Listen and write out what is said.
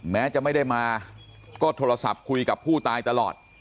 แม้จะไม่ได้มาก็โทรศัพท์คุยกับผู้ตายตลอด